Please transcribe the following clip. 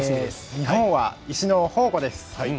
日本は石の宝庫です。